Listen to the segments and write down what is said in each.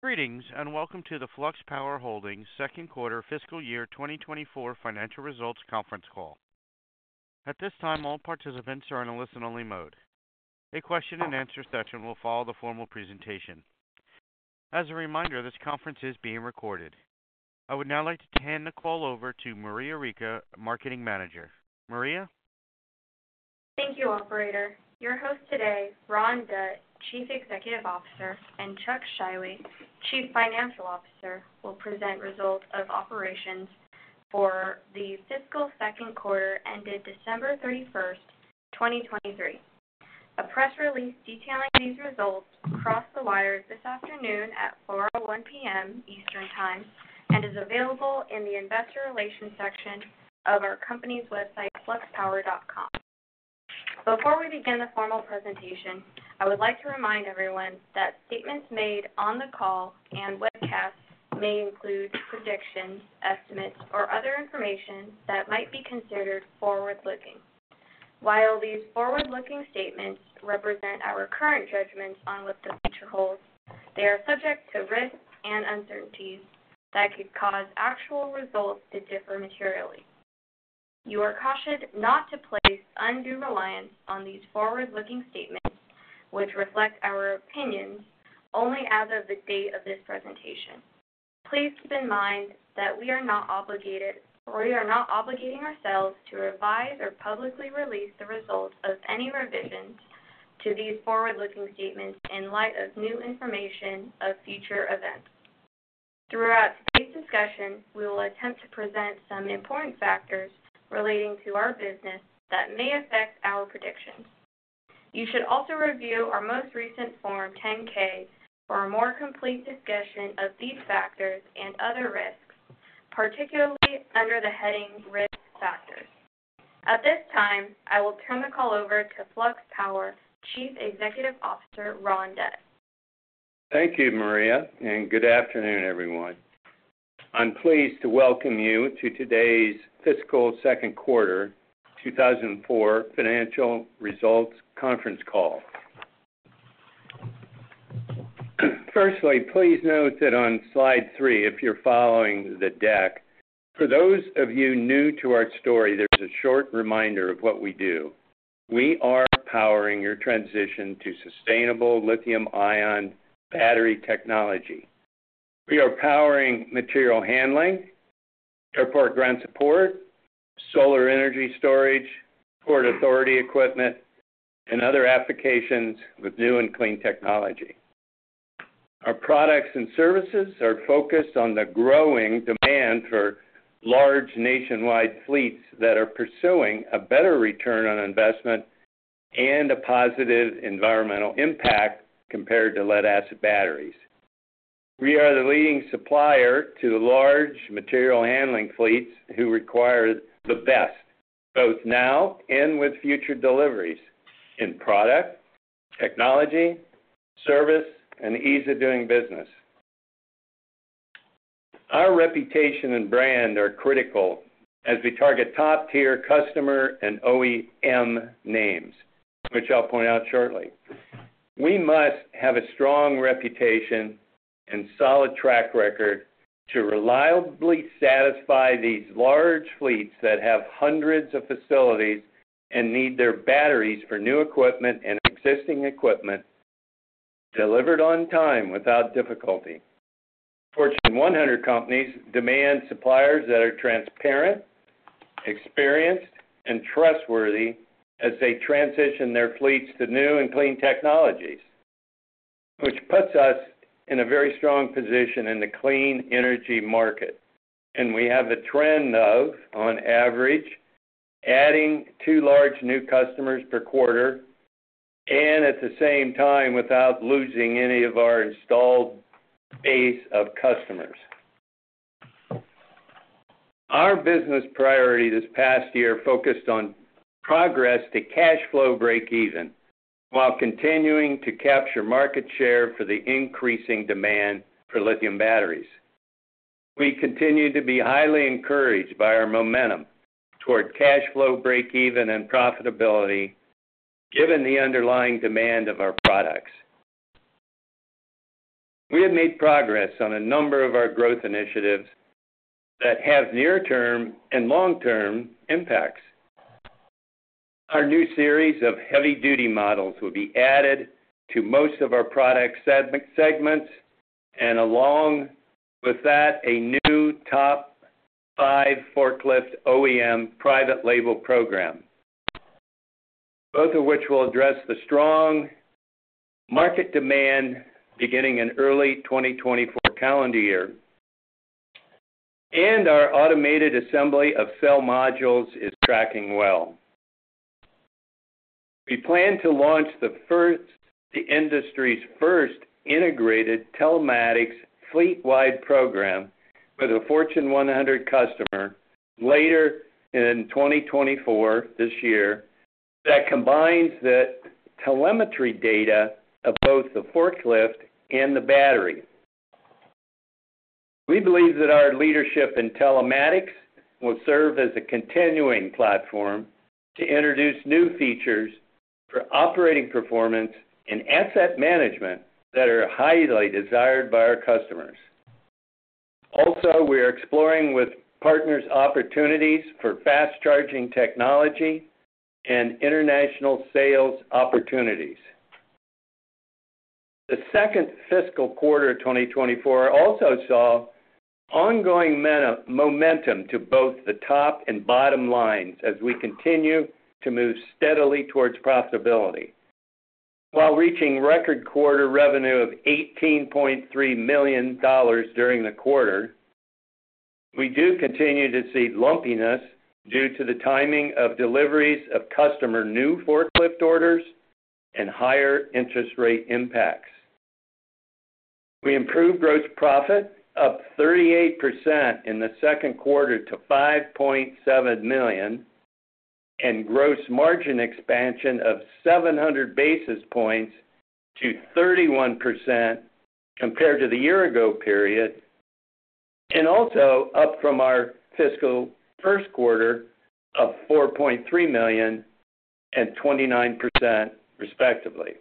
Greetings and welcome to the Flux Power Holdings second quarter fiscal year 2024 financial results conference call. At this time, all participants are in a listen-only mode. A question-and-answer session will follow the formal presentation. As a reminder, this conference is being recorded. I would now like to turn the call over to Maria Rico, Marketing Manager. Maria? Thank you, operator. Your host today, Ron Dutt, Chief Executive Officer, and Chuck Scheiwe, Chief Financial Officer, will present results of operations for the fiscal second quarter ended December 31st, 2023. A press release detailing these results crossed the wires this afternoon at 4:01 P.M. Eastern Time and is available in the investor relations section of our company's website, fluxpower.com. Before we begin the formal presentation, I would like to remind everyone that statements made on the call and webcast may include predictions, estimates, or other information that might be considered forward-looking. While these forward-looking statements represent our current judgments on what the future holds, they are subject to risks and uncertainties that could cause actual results to differ materially. You are cautioned not to place undue reliance on these forward-looking statements, which reflect our opinions, only as of the date of this presentation. Please keep in mind that we are not obligated or we are not obligating ourselves to revise or publicly release the results of any revisions to these forward-looking statements in light of new information or future events. Throughout today's discussion, we will attempt to present some important factors relating to our business that may affect our predictions. You should also review our most recent Form 10-K for a more complete discussion of these factors and other risks, particularly under the heading Risk Factors. At this time, I will turn the call over to Flux Power Chief Executive Officer, Ron Dutt. Thank you, Maria, and good afternoon, everyone. I'm pleased to welcome you to today's fiscal second quarter 2004 financial results conference call. Firstly, please note that on slide three, if you're following the deck, for those of you new to our story, there's a short reminder of what we do. We are powering your transition to sustainable lithium-ion battery technology. We are powering material handling, airport ground support, solar energy storage, port authority equipment, and other applications with new and clean technology. Our products and services are focused on the growing demand for large nationwide fleets that are pursuing a better return on investment and a positive environmental impact compared to lead-acid batteries. We are the leading supplier to large material handling fleets who require the best, both now and with future deliveries, in product, technology, service, and ease of doing business. Our reputation and brand are critical as we target top-tier customer and OEM names, which I'll point out shortly. We must have a strong reputation and solid track record to reliably satisfy these large fleets that have hundreds of facilities and need their batteries for new equipment and existing equipment delivered on time without difficulty. Fortune 100 companies demand suppliers that are transparent, experienced, and trustworthy as they transition their fleets to new and clean technologies, which puts us in a very strong position in the clean energy market. We have a trend of, on average, adding two large new customers per quarter and at the same time without losing any of our installed base of customers. Our business priority this past year focused on progress to cash flow break-even while continuing to capture market share for the increasing demand for lithium batteries. We continue to be highly encouraged by our momentum toward cash flow break-even and profitability given the underlying demand of our products. We have made progress on a number of our growth initiatives that have near-term and long-term impacts. Our new series of heavy-duty models will be added to most of our product segments and, along with that, a new top-five forklift OEM private label program, both of which will address the strong market demand beginning in early 2024 calendar year. Our automated assembly of cell modules is tracking well. We plan to launch the industry's first integrated telematics fleet-wide program with a Fortune 100 customer later in 2024, this year, that combines the telemetry data of both the forklift and the battery. We believe that our leadership in telematics will serve as a continuing platform to introduce new features for operating performance and asset management that are highly desired by our customers. Also, we are exploring with partners opportunities for fast charging technology and international sales opportunities. The second fiscal quarter 2024 also saw ongoing momentum to both the top and bottom lines as we continue to move steadily towards profitability. While reaching record quarter revenue of $18.3 million during the quarter, we do continue to see lumpiness due to the timing of deliveries of customer new forklift orders and higher interest rate impacts. We improved gross profit up 38% in the second quarter to $5.7 million and gross margin expansion of 700 basis points to 31% compared to the year-ago period and also up from our fiscal first quarter of $4.3 million and 29%, respectively.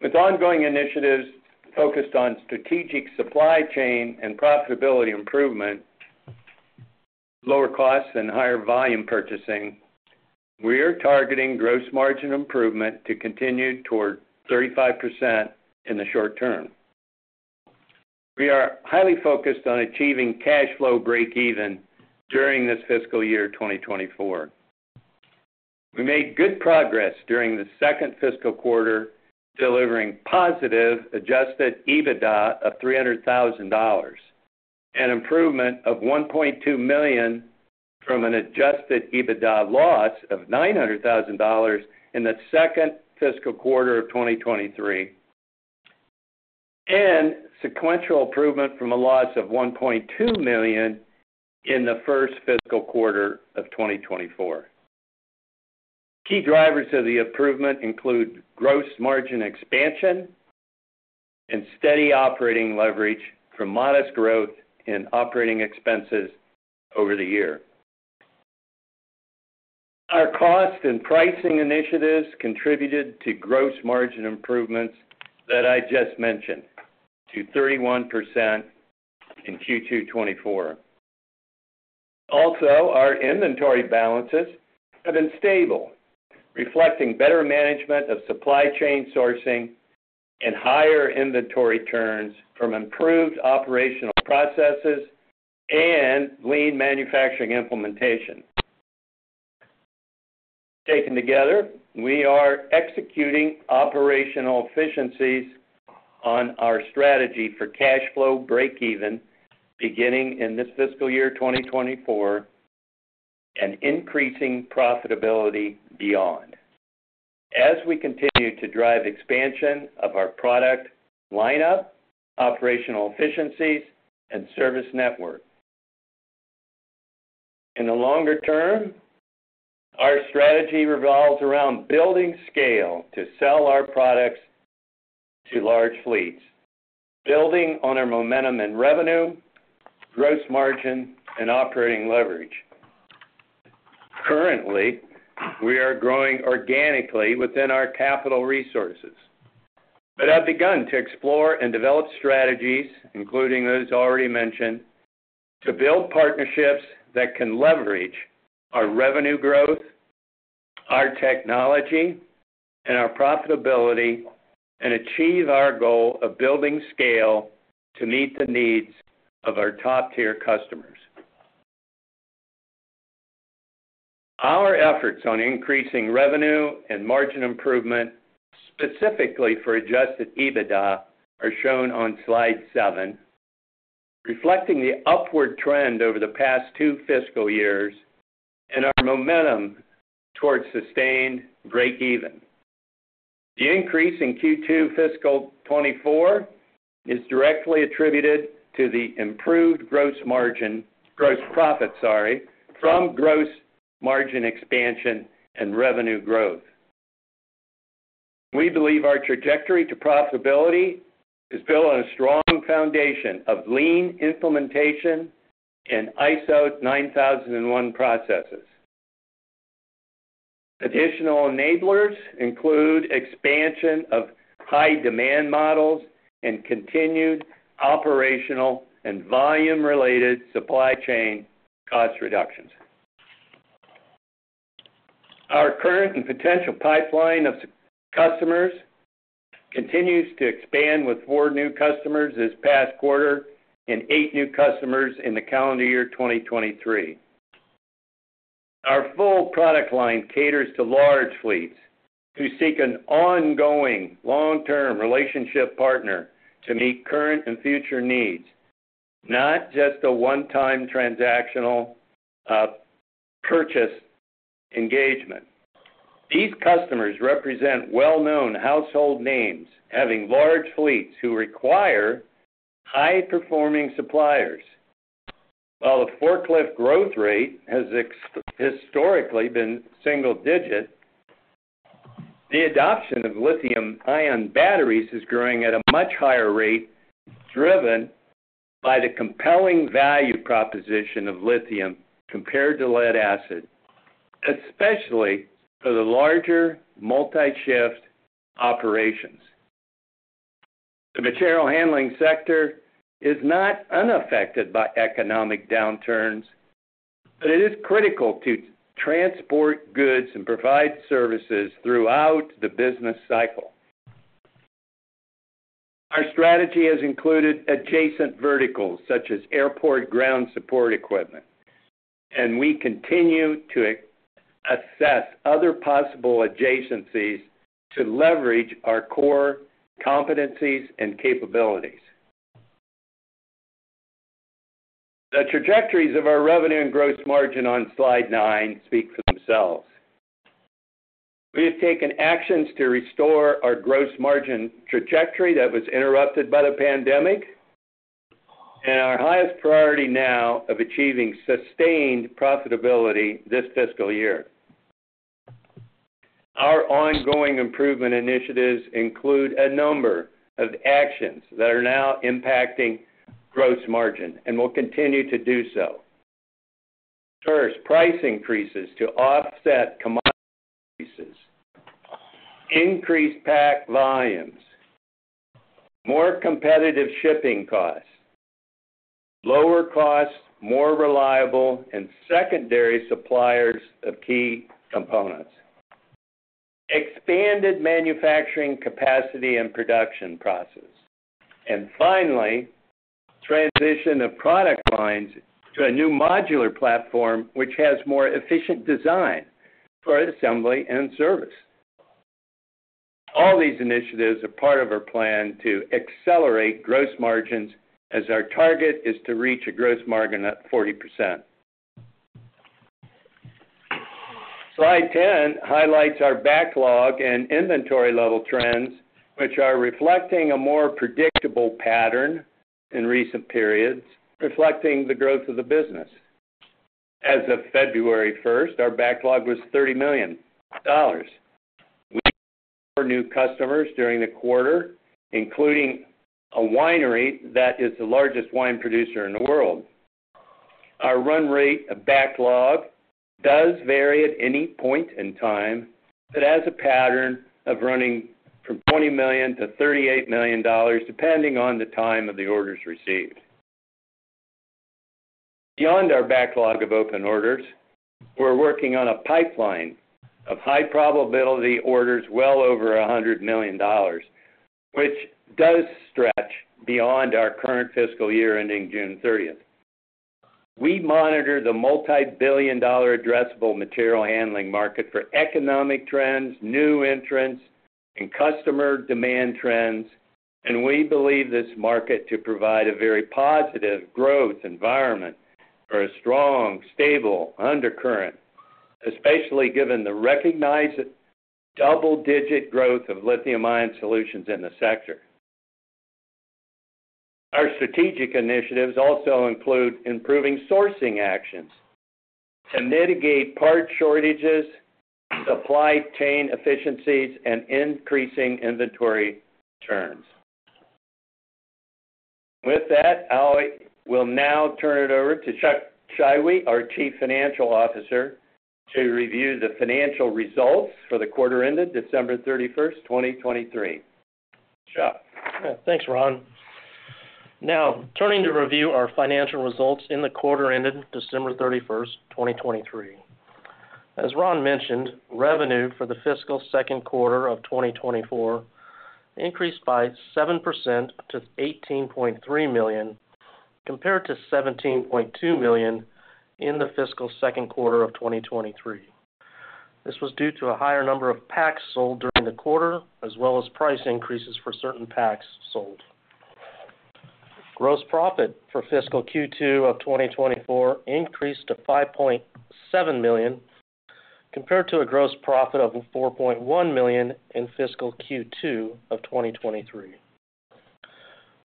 With ongoing initiatives focused on strategic supply chain and profitability improvement, lower costs, and higher volume purchasing, we are targeting gross margin improvement to continue toward 35% in the short term. We are highly focused on achieving cash flow break-even during this fiscal year 2024. We made good progress during the second fiscal quarter delivering positive adjusted EBITDA of $300,000 and improvement of $1.2 million from an adjusted EBITDA loss of $900,000 in the second fiscal quarter of 2023 and sequential improvement from a loss of $1.2 million in the first fiscal quarter of 2024. Key drivers of the improvement include gross margin expansion and steady operating leverage from modest growth in operating expenses over the year. Our cost and pricing initiatives contributed to gross margin improvements that I just mentioned to 31% in Q2 2024. Also, our inventory balances have been stable, reflecting better management of supply chain sourcing and higher inventory turns from improved operational processes and Lean Manufacturing implementation. Taken together, we are executing operational efficiencies on our strategy for cash flow break-even beginning in this fiscal year 2024 and increasing profitability beyond as we continue to drive expansion of our product lineup, operational efficiencies, and service network. In the longer term, our strategy revolves around building scale to sell our products to large fleets, building on our momentum in revenue, gross margin, and operating leverage. Currently, we are growing organically within our capital resources, but have begun to explore and develop strategies, including those already mentioned, to build partnerships that can leverage our revenue growth, our technology, and our profitability and achieve our goal of building scale to meet the needs of our top-tier customers. Our efforts on increasing revenue and margin improvement specifically for Adjusted EBITDA are shown on slide 7, reflecting the upward trend over the past two fiscal years and our momentum towards sustained break-even. The increase in Q2 fiscal 2024 is directly attributed to the improved gross margin gross profit, sorry, from gross margin expansion and revenue growth. We believe our trajectory to profitability is built on a strong foundation of lean implementation and ISO 9001 processes. Additional enablers include expansion of high-demand models and continued operational and volume-related supply chain cost reductions. Our current and potential pipeline of customers continues to expand with four new customers this past quarter and eight new customers in the calendar year 2023. Our full product line caters to large fleets who seek an ongoing long-term relationship partner to meet current and future needs, not just a one-time transactional purchase engagement. These customers represent well-known household names having large fleets who require high-performing suppliers. While the forklift growth rate has historically been single-digit, the adoption of lithium-ion batteries is growing at a much higher rate driven by the compelling value proposition of lithium compared to lead-acid, especially for the larger multi-shift operations. The material handling sector is not unaffected by economic downturns, but it is critical to transport goods and provide services throughout the business cycle. Our strategy has included adjacent verticals such as airport ground support equipment, and we continue to assess other possible adjacencies to leverage our core competencies and capabilities. The trajectories of our revenue and gross margin on slide 9 speak for themselves. We have taken actions to restore our gross margin trajectory that was interrupted by the pandemic and our highest priority now of achieving sustained profitability this fiscal year. Our ongoing improvement initiatives include a number of actions that are now impacting gross margin and will continue to do so. First, price increases to offset commodity prices, increased pack volumes, more competitive shipping costs, lower costs, more reliable, and secondary suppliers of key components, expanded manufacturing capacity and production process, and finally, transition of product lines to a new modular platform which has more efficient design for assembly and service. All these initiatives are part of our plan to accelerate gross margins as our target is to reach a gross margin of 40%. Slide 10 highlights our backlog and inventory-level trends, which are reflecting a more predictable pattern in recent periods reflecting the growth of the business. As of February 1st, our backlog was $30 million. We have four new customers during the quarter, including a winery that is the largest wine producer in the world. Our run rate of backlog does vary at any point in time, but has a pattern of running from $20 million-$38 million, depending on the time of the orders received. Beyond our backlog of open orders, we're working on a pipeline of high-probability orders well over $100 million, which does stretch beyond our current fiscal year ending June 30th. We monitor the multi-billion-dollar addressable material handling market for economic trends, new entrants, and customer demand trends, and we believe this market to provide a very positive growth environment for a strong, stable undercurrent, especially given the recognized double-digit growth of lithium-ion solutions in the sector. Our strategic initiatives also include improving sourcing actions to mitigate part shortages, supply chain efficiencies, and increasing inventory turns. With that, I will now turn it over to Chuck Scheiwe, our Chief Financial Officer, to review the financial results for the quarter ended December 31st, 2023. Chuck. Thanks, Ron. Now, turning to review our financial results in the quarter ended December 31st, 2023. As Ron mentioned, revenue for the fiscal second quarter of 2024 increased by 7% to $18.3 million compared to $17.2 million in the fiscal second quarter of 2023. This was due to a higher number of packs sold during the quarter as well as price increases for certain packs sold. Gross profit for fiscal Q2 of 2024 increased to $5.7 million compared to a gross profit of $4.1 million in fiscal Q2 of 2023.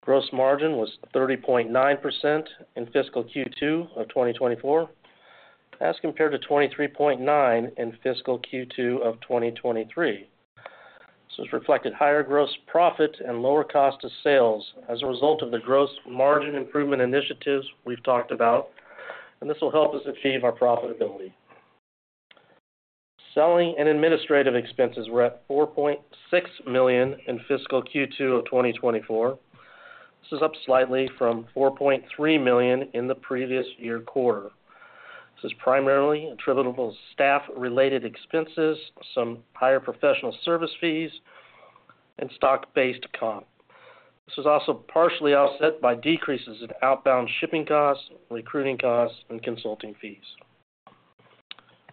Gross margin was 30.9% in fiscal Q2 of 2024 as compared to 23.9% in fiscal Q2 of 2023. This reflected higher gross profit and lower cost of sales as a result of the gross margin improvement initiatives we've talked about, and this will help us achieve our profitability. Selling and administrative expenses were at $4.6 million in fiscal Q2 of 2024. This is up slightly from $4.3 million in the previous year quarter. This is primarily attributable to staff-related expenses, some higher professional service fees, and stock-based comp. This was also partially offset by decreases in outbound shipping costs, recruiting costs, and consulting fees.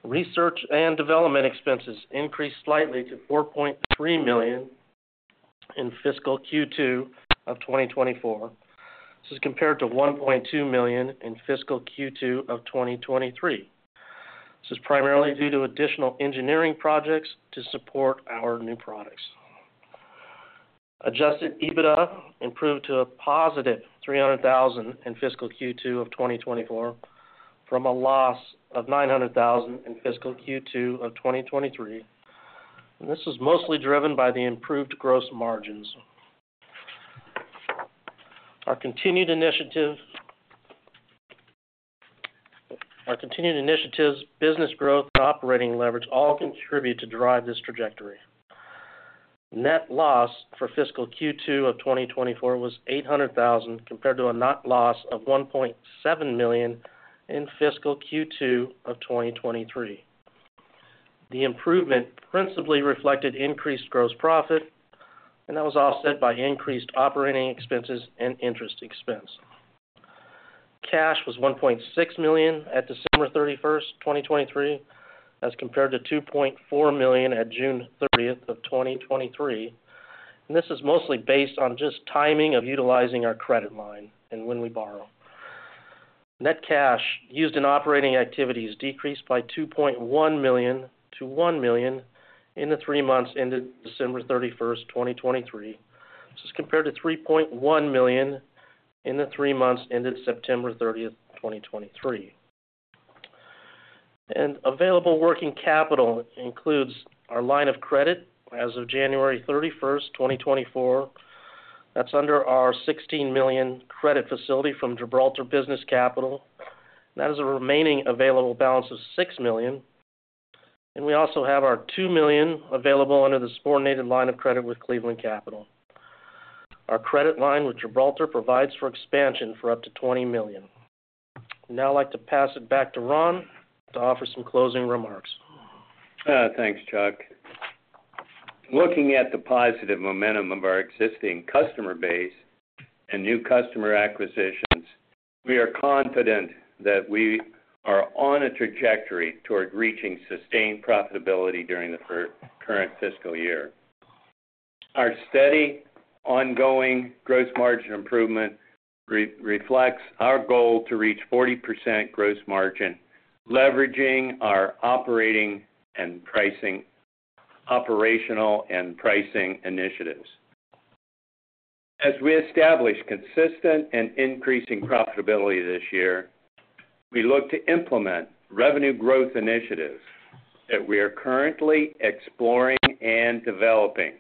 Research and development expenses increased slightly to $4.3 million in fiscal Q2 of 2024. This is compared to $1.2 million in fiscal Q2 of 2023. This is primarily due to additional engineering projects to support our new products. Adjusted EBITDA improved to a positive $300,000 in fiscal Q2 of 2024 from a loss of $900,000 in fiscal Q2 of 2023, and this was mostly driven by the improved gross margins. Our continued initiatives, business growth, and operating leverage all contribute to drive this trajectory. Net loss for fiscal Q2 of 2024 was $800,000 compared to a net loss of $1.7 million in fiscal Q2 of 2023. The improvement principally reflected increased gross profit, and that was offset by increased operating expenses and interest expense. Cash was $1.6 million at December 31st, 2023, as compared to $2.4 million at June 30th of 2023, and this is mostly based on just timing of utilizing our credit line and when we borrow. Net cash used in operating activities decreased by $2.1 million to $1 million in the three months ended December 31st, 2023. This is compared to $3.1 million in the three months ended September 30th, 2023. Available working capital includes our line of credit as of January 31st, 2024. That's under our $16 million credit facility from Gibraltar Business Capital, and that is a remaining available balance of $6 million. We also have our $2 million available under the subordinated line of credit with Cleveland Capital. Our credit line with Gibraltar provides for expansion for up to $20 million. I'd now like to pass it back to Ron to offer some closing remarks. Thanks, Chuck. Looking at the positive momentum of our existing customer base and new customer acquisitions, we are confident that we are on a trajectory toward reaching sustained profitability during the current fiscal year. Our steady, ongoing gross margin improvement reflects our goal to reach 40% gross margin, leveraging our operational and pricing initiatives. As we establish consistent and increasing profitability this year, we look to implement revenue growth initiatives that we are currently exploring and developing.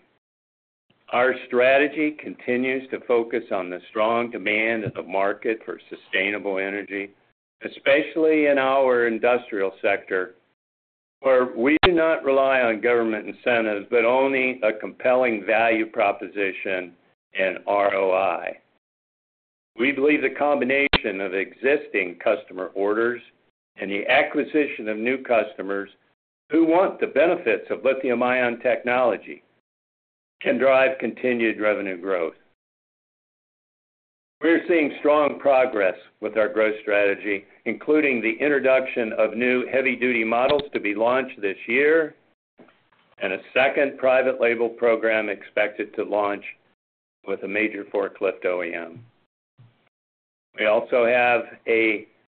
Our strategy continues to focus on the strong demand in the market for sustainable energy, especially in our industrial sector, where we do not rely on government incentives but only a compelling value proposition and ROI. We believe the combination of existing customer orders and the acquisition of new customers who want the benefits of lithium-ion technology can drive continued revenue growth. We're seeing strong progress with our growth strategy, including the introduction of new heavy-duty models to be launched this year and a second private label program expected to launch with a major forklift OEM. We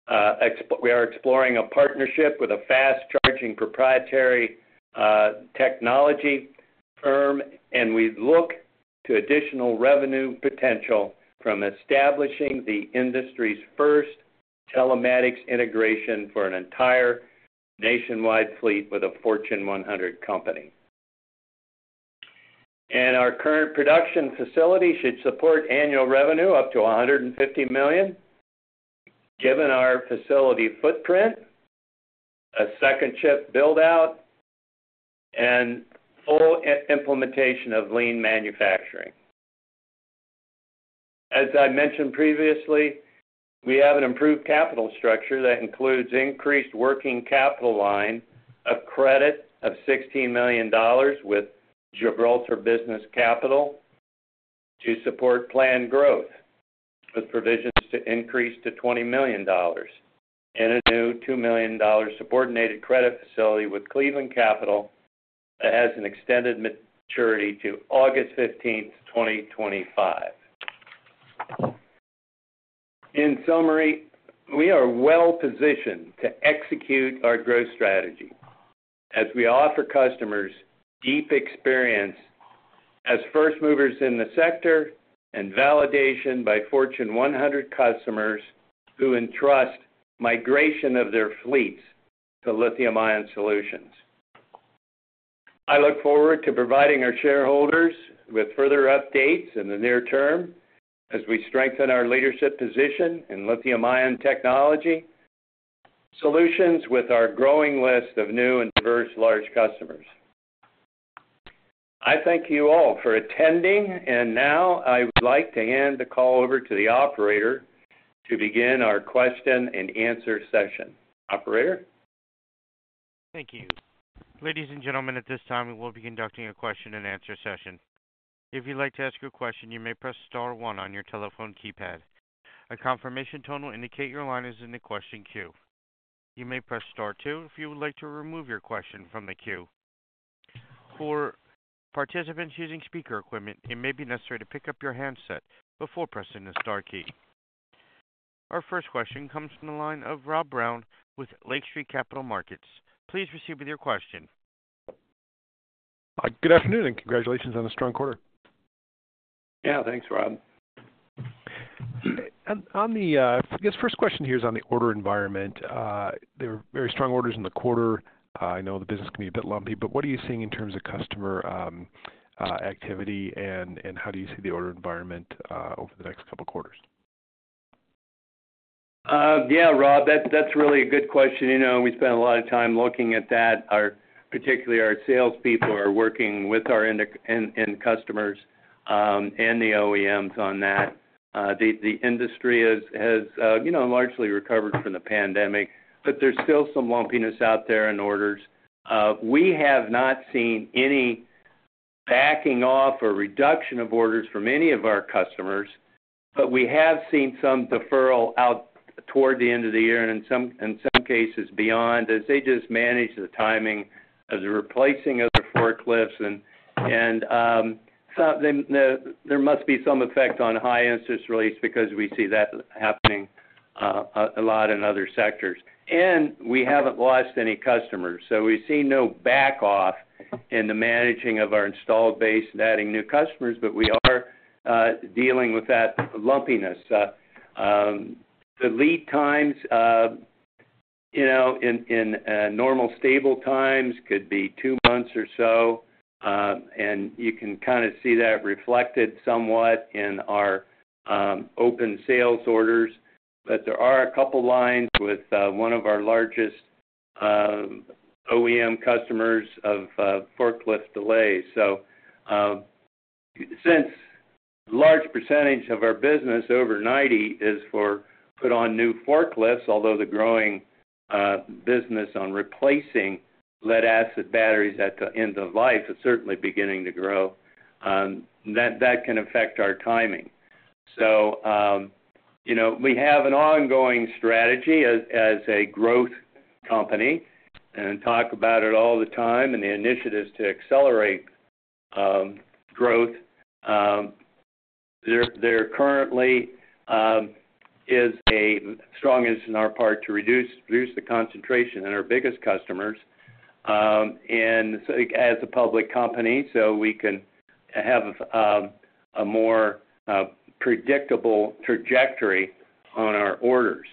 are exploring a partnership with a fast-charging proprietary technology firm, and we look to additional revenue potential from establishing the industry's first telematics integration for an entire nationwide fleet with a Fortune 100 company. Our current production facility should support annual revenue up to $150 million given our facility footprint, a second shift buildout, and full implementation of lean manufacturing. As I mentioned previously, we have an improved capital structure that includes increased working capital line of credit of $16 million with Gibraltar Business Capital to support planned growth with provisions to increase to $20 million and a new $2 million subordinated credit facility with Cleveland Capital that has an extended maturity to August 15th, 2025. In summary, we are well positioned to execute our growth strategy as we offer customers deep experience as first movers in the sector and validation by Fortune 100 customers who entrust migration of their fleets to lithium-ion solutions. I look forward to providing our shareholders with further updates in the near term as we strengthen our leadership position in lithium-ion technology solutions with our growing list of new and diverse large customers. I thank you all for attending, and now I would like to hand the call over to the operator to begin our question-and-answer session. Operator? Thank you. Ladies and gentlemen, at this time, we will be conducting a question-and-answer session. If you'd like to ask your question, you may press star 1 on your telephone keypad. A confirmation tone will indicate your line is in the question queue. You may press star 2 if you would like to remove your question from the queue. For participants using speaker equipment, it may be necessary to pick up your handset before pressing the star key. Our first question comes from the line of Rob Brown with Lake Street Capital Markets. Please proceed with your question. Good afternoon and congratulations on a strong quarter. Yeah, thanks, Rob. On the I guess first question here is on the order environment. There were very strong orders in the quarter. I know the business can be a bit lumpy, but what are you seeing in terms of customer activity, and how do you see the order environment over the next couple of quarters? Yeah, Rob, that's really a good question. We spend a lot of time looking at that. Particularly, our salespeople are working with our end customers and the OEMs on that. The industry has largely recovered from the pandemic, but there's still some lumpiness out there in orders. We have not seen any backing off or reduction of orders from any of our customers, but we have seen some deferral out toward the end of the year and in some cases beyond as they just manage the timing of the replacing of the forklifts. There must be some effect on high-interest rates because we see that happening a lot in other sectors. We haven't lost any customers, so we've seen no backoff in the managing of our installed base and adding new customers, but we are dealing with that lumpiness. The lead times in normal, stable times could be two months or so, and you can kind of see that reflected somewhat in our open sales orders. But there are a couple of lines with one of our largest OEM customers of forklift delays. So since a large percentage of our business over 90% is put on new forklifts, although the growing business on replacing lead-acid batteries at the end of life is certainly beginning to grow, that can affect our timing. So we have an ongoing strategy as a growth company and talk about it all the time and the initiatives to accelerate growth. There currently is a strong interest on our part to reduce the concentration in our biggest customers as a public company so we can have a more predictable trajectory on our orders.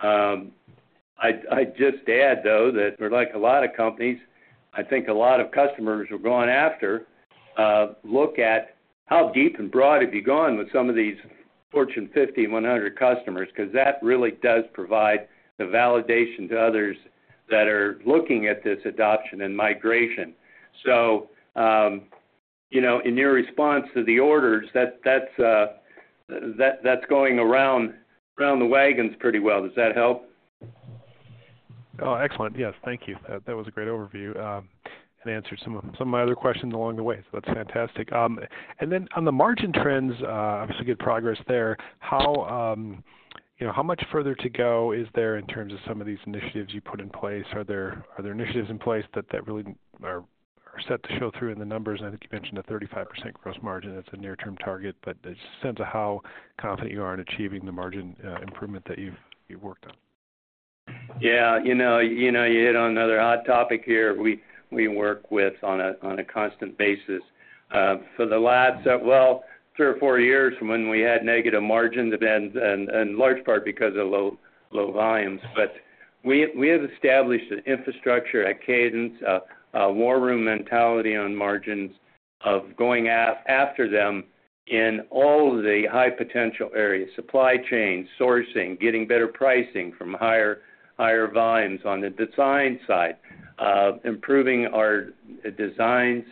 I'd just add, though, that like a lot of companies, I think a lot of customers who are going after look at how deep and broad have you gone with some of these Fortune 50 and 100 customers because that really does provide the validation to others that are looking at this adoption and migration. So in your response to the orders, that's going around the wagons pretty well. Does that help? Excellent. Yes, thank you. That was a great overview and answered some of my other questions along the way, so that's fantastic. And then on the margin trends, obviously, good progress there. How much further to go is there in terms of some of these initiatives you put in place? Are there initiatives in place that really are set to show through in the numbers? And I think you mentioned a 35% gross margin. That's a near-term target, but a sense of how confident you are in achieving the margin improvement that you've worked on. Yeah, you hit on another hot topic here. We work with on a constant basis. For the last, well, three or four years from when we had negative margins and in large part because of low volumes, but we have established an infrastructure, a cadence, a war room mentality on margins of going after them in all of the high-potential areas: supply chain, sourcing, getting better pricing from higher volumes on the design side, improving our designs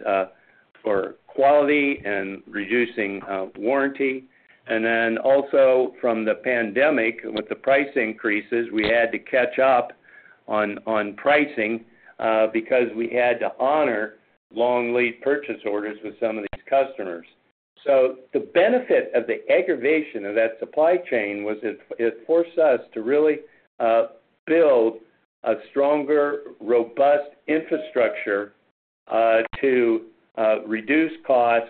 for quality, and reducing warranty. And then also from the pandemic, with the price increases, we had to catch up on pricing because we had to honor long lead purchase orders with some of these customers. So the benefit of the aggravation of that supply chain was it forced us to really build a stronger, robust infrastructure to reduce costs,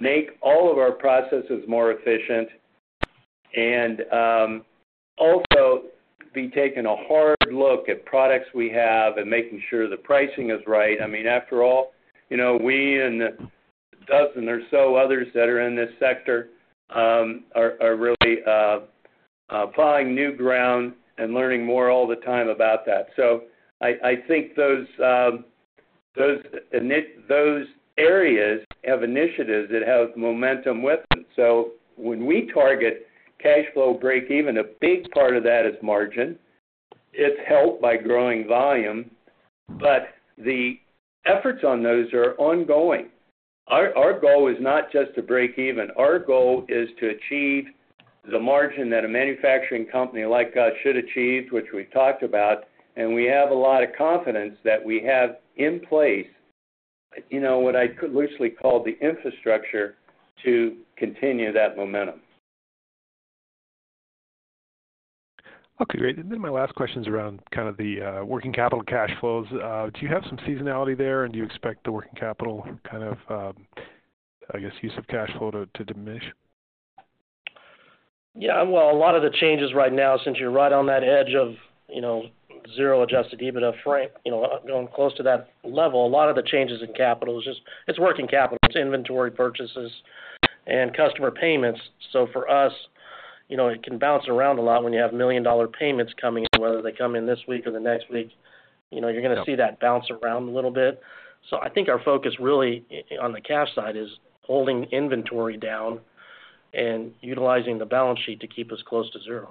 make all of our processes more efficient, and also be taking a hard look at products we have and making sure the pricing is right. I mean, after all, we and a dozen or so others that are in this sector are really plowing new ground and learning more all the time about that. So I think those areas have initiatives that have momentum with them. So when we target cash flow break-even, a big part of that is margin. It's helped by growing volume, but the efforts on those are ongoing. Our goal is not just to break even. Our goal is to achieve the margin that a manufacturing company like us should achieve, which we've talked about, and we have a lot of confidence that we have in place what I could loosely call the infrastructure to continue that momentum. Okay, great. And then my last question is around kind of the working capital cash flows. Do you have some seasonality there, and do you expect the working capital kind of, I guess, use of cash flow to diminish? Yeah, well, a lot of the changes right now, since you're right on that edge of zero Adjusted EBITDA, going close to that level, a lot of the changes in capital, it's working capital. It's inventory purchases and customer payments. So for us, it can bounce around a lot when you have million-dollar payments coming in, whether they come in this week or the next week. You're going to see that bounce around a little bit. So I think our focus really on the cash side is holding inventory down and utilizing the balance sheet to keep us close to zero.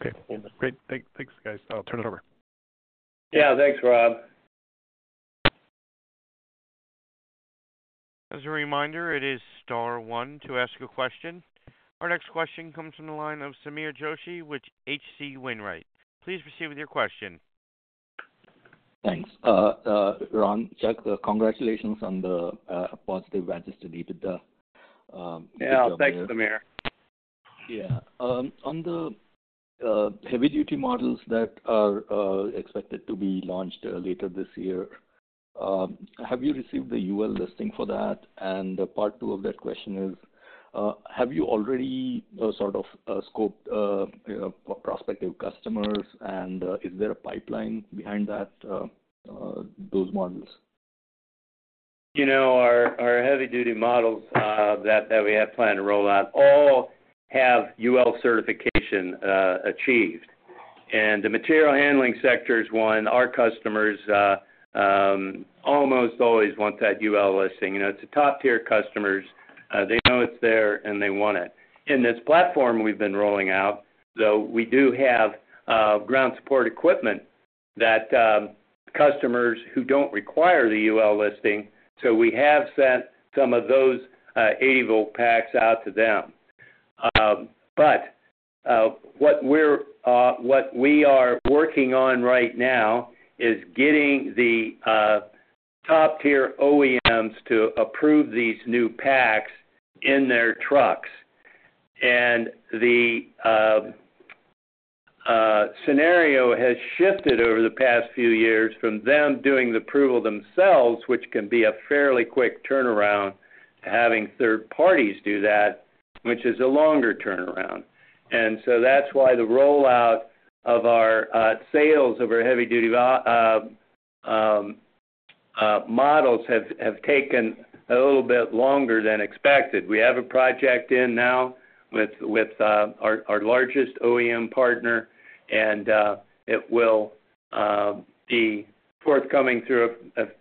Okay, great. Thanks, guys. I'll turn it over. Yeah, thanks, Rob. As a reminder, it is star 1 to ask a question. Our next question comes from the line of Sameer Joshi with H.C. Wainwright. Please proceed with your question. Thanks, Ron. Chuck, congratulations on the positive Adjusted EBITDA. Yeah, thanks, Sameer. Yeah, on the heavy-duty models that are expected to be launched later this year, have you received the UL listing for that? And part two of that question is, have you already sort of scoped prospective customers, and is there a pipeline behind those models? Our heavy-duty models that we have planned to roll out all have UL certification achieved. The material handling sector is one. Our customers almost always want that UL listing. It's a top-tier customer. They know it's there, and they want it. In this platform we've been rolling out, though, we do have ground support equipment that customers who don't require the UL listing, so we have sent some of those 80-volt packs out to them. But what we are working on right now is getting the top-tier OEMs to approve these new packs in their trucks. And the scenario has shifted over the past few years from them doing the approval themselves, which can be a fairly quick turnaround, to having third parties do that, which is a longer turnaround. And so that's why the rollout of our sales of our heavy-duty models have taken a little bit longer than expected. We have a project in now with our largest OEM partner, and it will be forthcoming through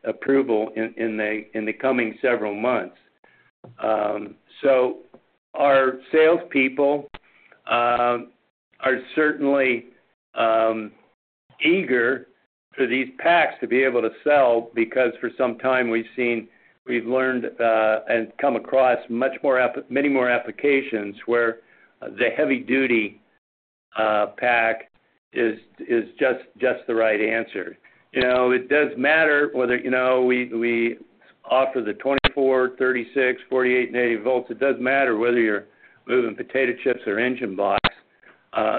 approval in the coming several months. So our salespeople are certainly eager for these packs to be able to sell because for some time, we've learned and come across many more applications where the heavy-duty pack is just the right answer. It does matter whether we offer the 24, 36, 48, and 80 volts. It does matter whether you're moving potato chips or engine blocks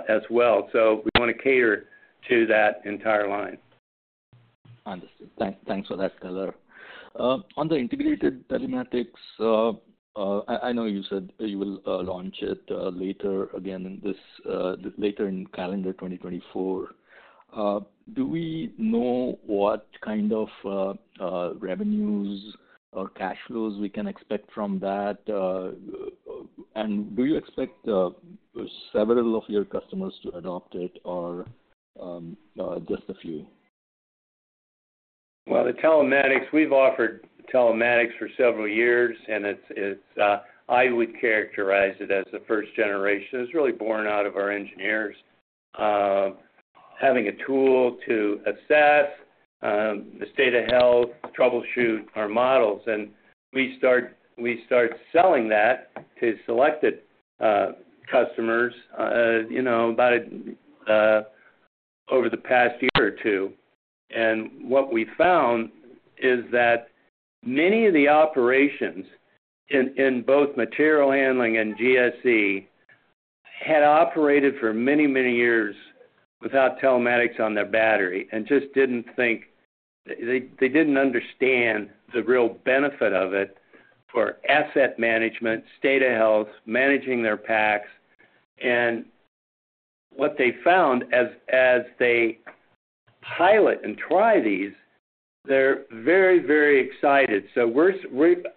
as well. So we want to cater to that entire line. Understood. Thanks for that color. On the integrated telematics, I know you said you will launch it later again later in calendar 2024. Do we know what kind of revenues or cash flows we can expect from that? And do you expect several of your customers to adopt it or just a few? Well, the telematics, we've offered telematics for several years, and I would characterize it as the first generation. It's really born out of our engineers having a tool to assess the state of health, troubleshoot our models. And we start selling that to selected customers about over the past year or two. And what we found is that many of the operations in both material handling and GSE had operated for many, many years without telematics on their battery and just didn't think they didn't understand the real benefit of it for asset management, state of health, managing their packs. And what they found as they pilot and try these, they're very, very excited. So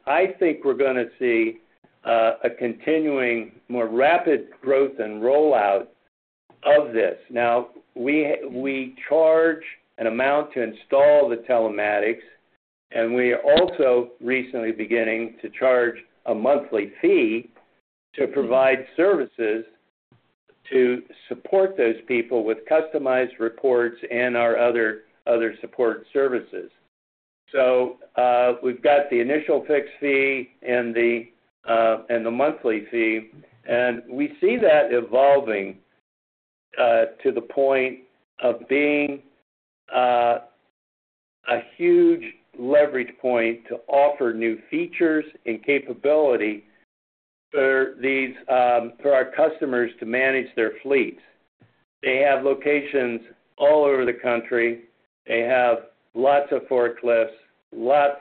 I think we're going to see a continuing, more rapid growth and rollout of this. Now, we charge an amount to install the telematics, and we are also recently beginning to charge a monthly fee to provide services to support those people with customized reports and our other support services. So we've got the initial fixed fee and the monthly fee, and we see that evolving to the point of being a huge leverage point to offer new features and capability for our customers to manage their fleets. They have locations all over the country. They have lots of forklifts, lots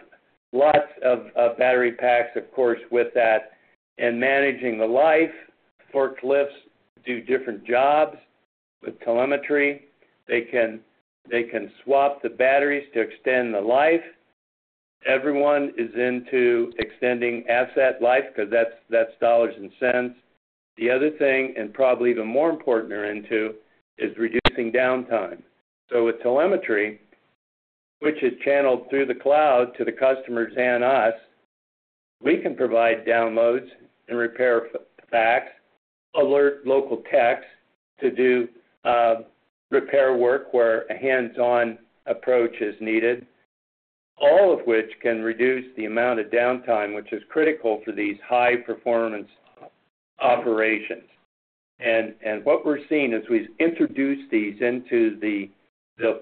of battery packs, of course, with that. And managing the life, forklifts do different jobs with telemetry. They can swap the batteries to extend the life. Everyone is into extending asset life because that's dollars and cents. The other thing, and probably even more important, they're into is reducing downtime. So with telemetry, which is channeled through the cloud to the customers and us, we can provide downloads and repair packs, alert local techs to do repair work where a hands-on approach is needed, all of which can reduce the amount of downtime, which is critical for these high-performance operations. What we're seeing is we've introduced these into the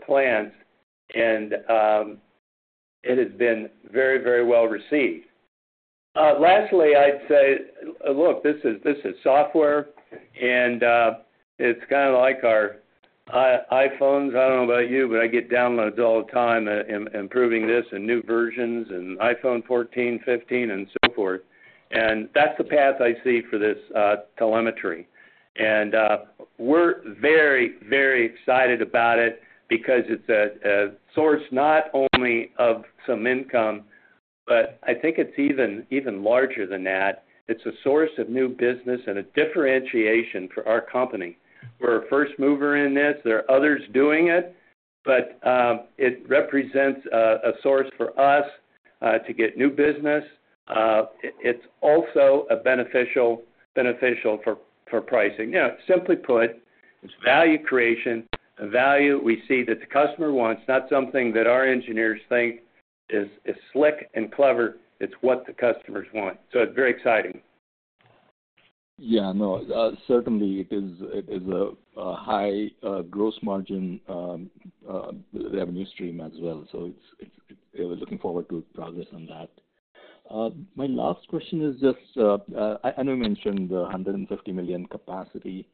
plants, and it has been very, very well received. Lastly, I'd say, "Look, this is software, and it's kind of like our iPhones. I don't know about you, but I get downloads all the time improving this and new versions and iPhone 14, 15, and so forth." That's the path I see for this telemetry. We're very, very excited about it because it's a source not only of some income, but I think it's even larger than that. It's a source of new business and a differentiation for our company. We're a first mover in this. There are others doing it, but it represents a source for us to get new business. It's also beneficial for pricing. Simply put, it's value creation, a value we see that the customer wants, not something that our engineers think is slick and clever. It's what the customers want. So it's very exciting. Yeah, no, certainly, it is a high gross margin revenue stream as well. So we're looking forward to progress on that. My last question is just I know you mentioned the $150 million capacity,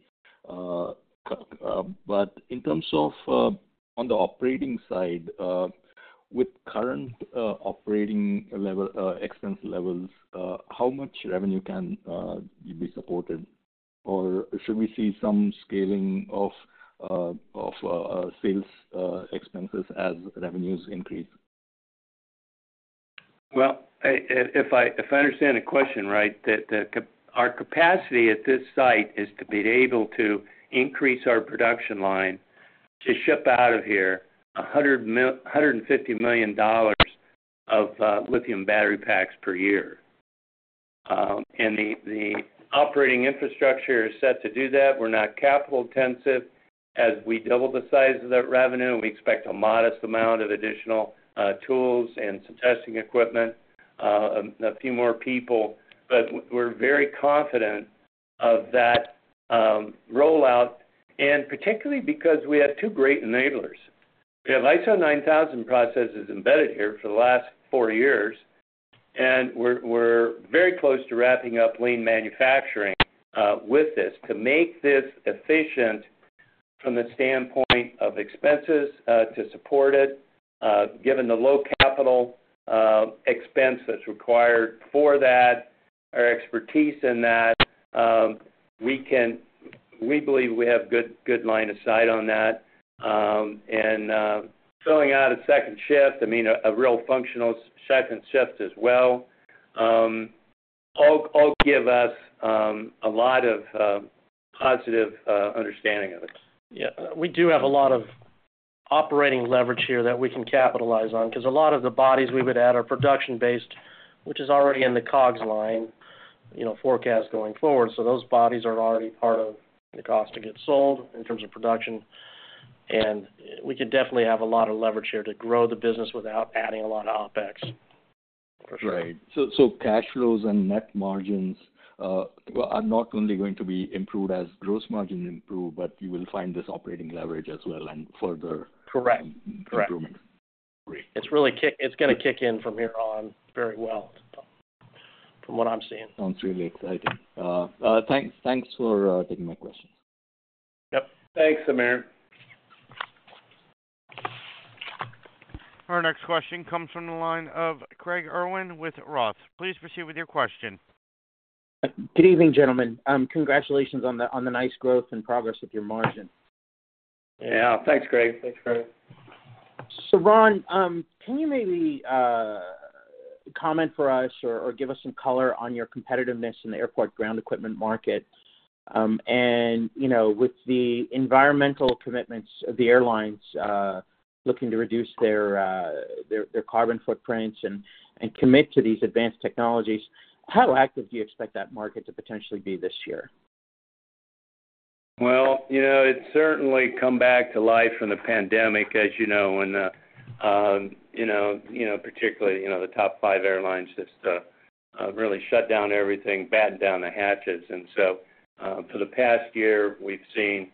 but in terms of on the operating side, with current operating expense levels, how much revenue can be supported, or should we see some scaling of sales expenses as revenues increase? Well, if I understand the question right, our capacity at this site is to be able to increase our production line to ship out of here $150 million of lithium battery packs per year. The operating infrastructure is set to do that. We're not capital-intensive. As we double the size of that revenue, we expect a modest amount of additional tools and some testing equipment, a few more people. But we're very confident of that rollout, and particularly because we have two great enablers. We have ISO 9000 processes embedded here for the last four years, and we're very close to wrapping up lean manufacturing with this to make this efficient from the standpoint of expenses to support it. Given the low capital expense that's required for that, our expertise in that, we believe we have good line of sight on that. Filling out a second shift, I mean, a real functional second shift as well, all give us a lot of positive understanding of it. Yeah, we do have a lot of operating leverage here that we can capitalize on because a lot of the bodies we would add are production-based, which is already in the COGS line of forecast going forward. So those bodies are already part of the cost to get sold in terms of production. And we could definitely have a lot of leverage here to grow the business without adding a lot of OpEx. For sure. Right. So cash flows and net margins, well, are not only going to be improved as gross margin improves, but you will find this operating leverage as well and further improvements. Correct. Correct. Great. It's going to kick in from here on very well, from what I'm seeing. Sounds really exciting. Thanks for taking my questions. Yep. Thanks, Sameer. Our next question comes from the line of Craig Irwin with Roth. Please proceed with your question. Good evening, gentlemen. Congratulations on the nice growth and progress with your margin. Yeah, thanks, Craig. Thanks, Craig. So, Ron, can you maybe comment for us or give us some color on your competitiveness in the airport ground equipment market? And with the environmental commitments of the airlines looking to reduce their carbon footprints and commit to these advanced technologies, how active do you expect that market to potentially be this year? Well, it's certainly come back to life from the pandemic, as you know, when particularly the top five airlines just really shut down everything, batten down the hatches. And so for the past year, we've seen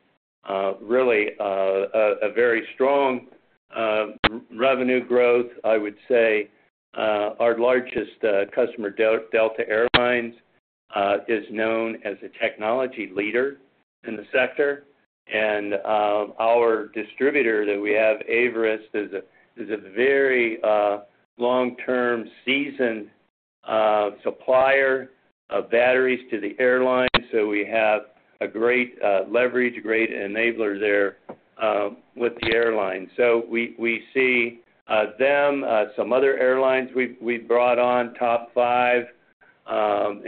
really a very strong revenue growth, I would say. Our largest customer, Delta Air Lines, is known as a technology leader in the sector. Our distributor that we have, Averest, is a very long-term, seasoned supplier of batteries to the airline. We have a great leverage, great enabler there with the airline. We see them, some other airlines we've brought on, top five,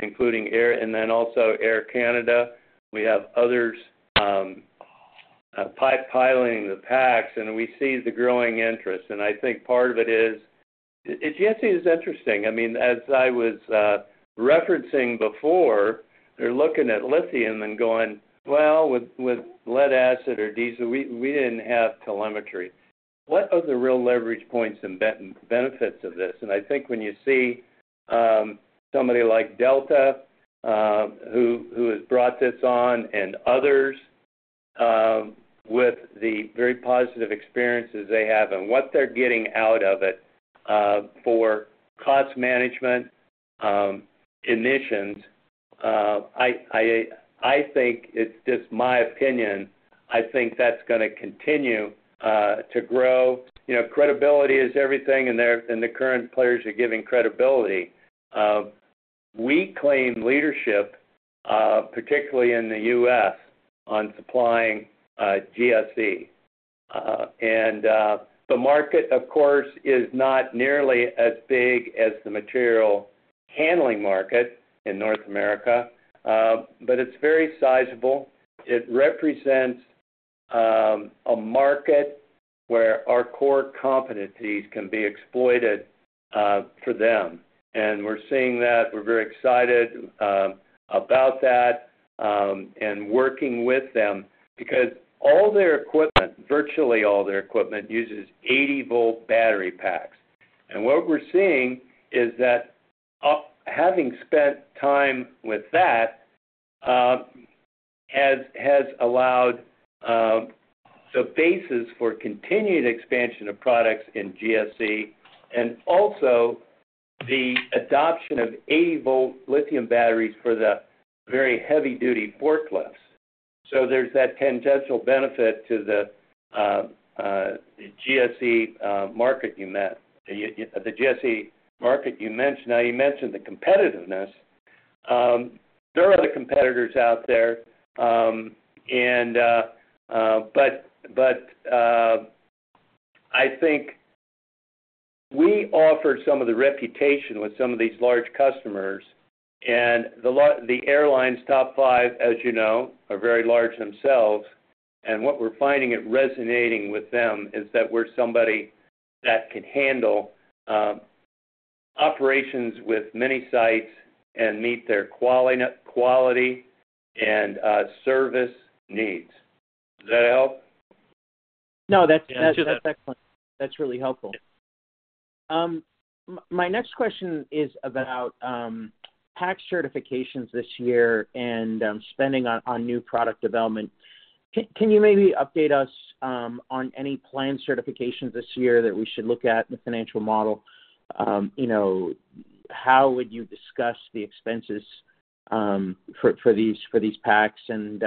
including Air and then also Air Canada. We have others pipelining the packs, and we see the growing interest. I think part of it is GSE is interesting. I mean, as I was referencing before, they're looking at lithium and going, "Well, with lead acid or diesel, we didn't have telemetry. What are the real leverage points and benefits of this?" And I think when you see somebody like Delta who has brought this on and others with the very positive experiences they have and what they're getting out of it for cost management, emissions, I think it's just my opinion. I think that's going to continue to grow. Credibility is everything, and the current players are giving credibility. We claim leadership, particularly in the U.S., on supplying GSE. And the market, of course, is not nearly as big as the material handling market in North America, but it's very sizable. It represents a market where our core competencies can be exploited for them. And we're seeing that. We're very excited about that and working with them because all their equipment, virtually all their equipment, uses 80-volt battery packs. What we're seeing is that having spent time with that has allowed the basis for continued expansion of products in GSE and also the adoption of 80-volt lithium batteries for the very heavy-duty forklifts. So there's that tangential benefit to the GSE market you mentioned, the GSE market you mentioned. Now, you mentioned the competitiveness. There are other competitors out there, but I think we offer some of the reputation with some of these large customers. And the airline's top five, as you know, are very large themselves. And what we're finding resonating with them is that we're somebody that can handle operations with many sites and meet their quality and service needs. Does that help? No, that's excellent. That's really helpful. My next question is about pack certifications this year and spending on new product development. Can you maybe update us on any plan certifications this year that we should look at in the financial model? How would you discuss the expenses for these packs? And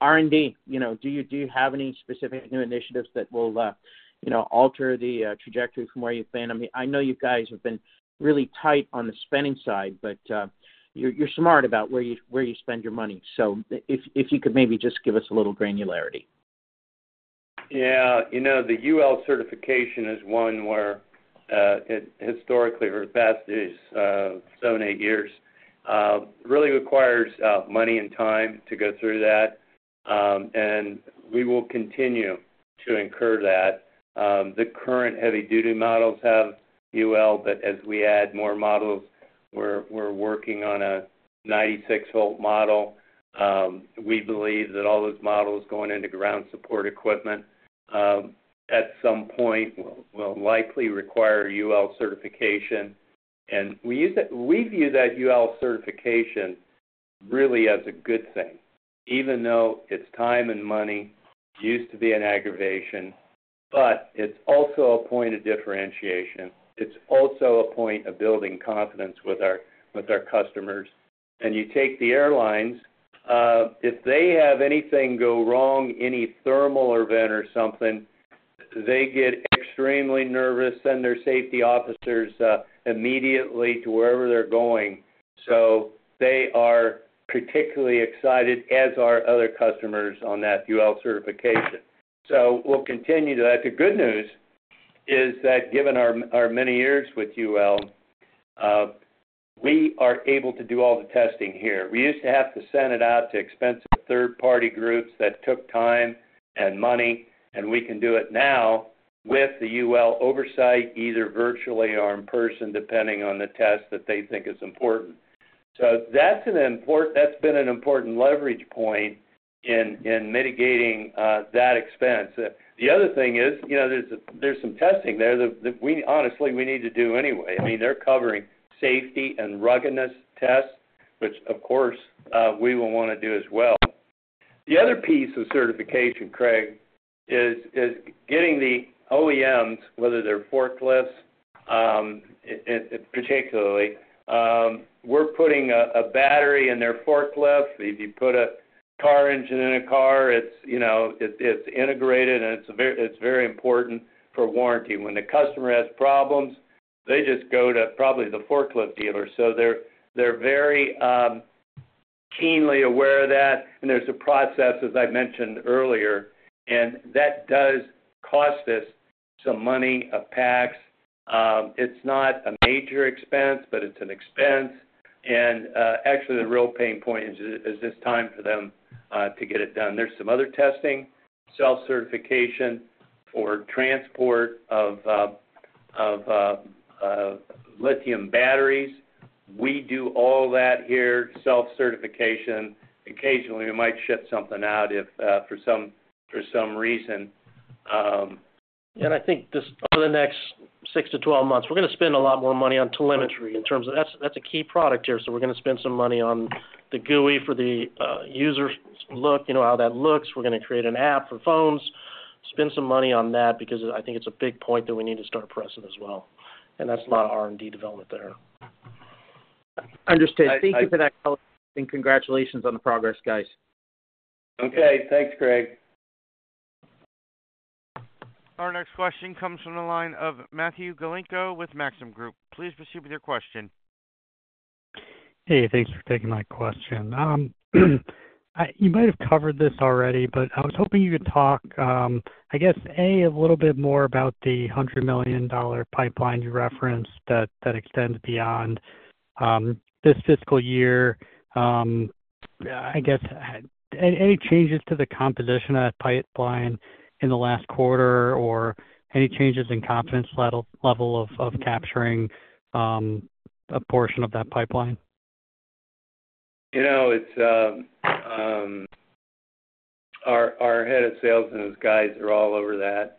R&D, do you have any specific new initiatives that will alter the trajectory from where you've been? I mean, I know you guys have been really tight on the spending side, but you're smart about where you spend your money. So if you could maybe just give us a little granularity. Yeah, the UL certification is one where it historically, for the past 7-8 years, really requires money and time to go through that. And we will continue to incur that. The current heavy-duty models have UL, but as we add more models, we're working on a 96-volt model. We believe that all those models going into ground support equipment at some point will likely require UL certification. We view that UL certification really as a good thing, even though it's time and money used to be an aggravation. But it's also a point of differentiation. It's also a point of building confidence with our customers. You take the airlines. If they have anything go wrong, any thermal event or something, they get extremely nervous, and their safety officers immediately to wherever they're going. They are particularly excited, as are other customers, on that UL certification. We'll continue to that. The good news is that given our many years with UL, we are able to do all the testing here. We used to have to send it out to expensive third-party groups that took time and money. We can do it now with the UL oversight, either virtually or in person, depending on the test that they think is important. So that's been an important leverage point in mitigating that expense. The other thing is there's some testing there that, honestly, we need to do anyway. I mean, they're covering safety and ruggedness tests, which, of course, we will want to do as well. The other piece of certification, Craig, is getting the OEMs, whether they're forklifts particularly, we're putting a battery in their forklift. If you put a car engine in a car, it's integrated, and it's very important for warranty. When the customer has problems, they just go to probably the forklift dealer. So they're very keenly aware of that. And there's a process, as I mentioned earlier, and that does cost us some money of packs. It's not a major expense, but it's an expense. And actually, the real pain point is it's time for them to get it done. There's some other testing, self-certification for transport of lithium batteries. We do all that here, self-certification. Occasionally, we might ship something out for some reason. And I think over the next 6-12 months, we're going to spend a lot more money on telemetry in terms of that's a key product here. So we're going to spend some money on the GUI for the user's look, how that looks. We're going to create an app for phones. Spend some money on that because I think it's a big point that we need to start pressing as well. And that's a lot of R&D development there. Understood. Thank you for that call, and congratulations on the progress, guys. Okay. Thanks, Craig. Our next question comes from the line of Matthew Galinko with Maxim Group. Please proceed with your question. Hey, thanks for taking my question. You might have covered this already, but I was hoping you could talk, I guess, A, a little bit more about the $100 million pipeline you referenced that extends beyond this fiscal year. I guess, any changes to the composition of that pipeline in the last quarter or any changes in confidence level of capturing a portion of that pipeline? Our head of sales and his guys are all over that.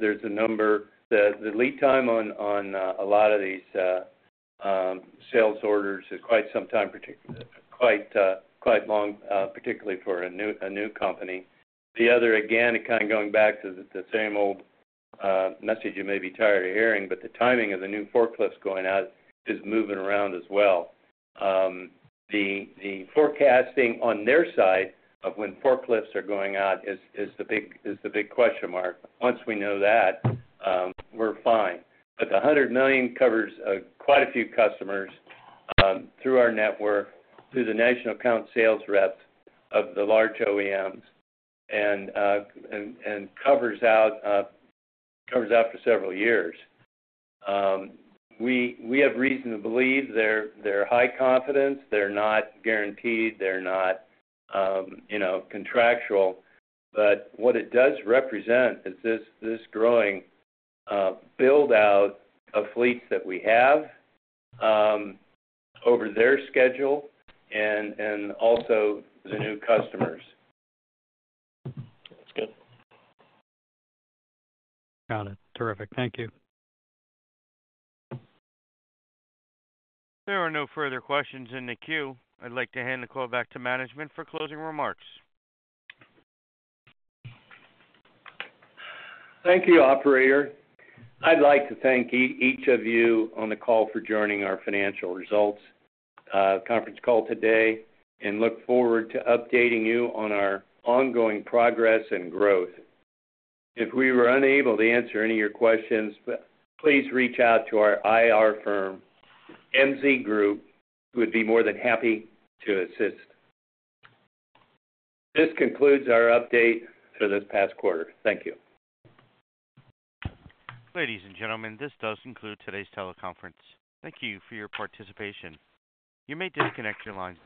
There's a number. The lead time on a lot of these sales orders is quite some time, quite long, particularly for a new company. The other, again, kind of going back to the same old message you may be tired of hearing, but the timing of the new forklifts going out is moving around as well. The forecasting on their side of when forklifts are going out is the big question mark. Once we know that, we're fine. But the $100 million covers quite a few customers through our network, through the national account sales reps of the large OEMs, and covers out for several years. We have reason to believe they're high confidence. They're not guaranteed. They're not contractual. But what it does represent is this growing buildout of fleets that we have over their schedule and also the new customers. That's good. Got it. Terrific. Thank you. There are no further questions in the queue. I'd like to hand the call back to management for closing remarks. Thank you, operator. I'd like to thank each of you on the call for joining our financial results conference call today and look forward to updating you on our ongoing progress and growth. If we were unable to answer any of your questions, please reach out to our IR firm, MZ Group, who would be more than happy to assist. This concludes our update for this past quarter. Thank you. Ladies and gentlemen, this does conclude today's teleconference. Thank you for your participation. You may disconnect your lines.